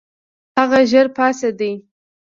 هغه ژر پاڅېد.